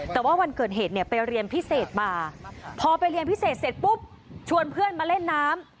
แต่ว่าวันเกิดเหตุเนี่ยไปเรียนพิเศษมาพอไปเรียนพิเศษเสร็จปุ๊บชวนเพื่อนมาเล่นน้ำ